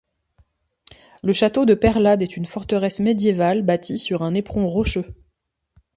Le château de Peyrelade est une forteresse médiévale bâtie sur un éperon rocheux.